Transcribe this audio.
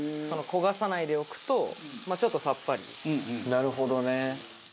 なるほどね。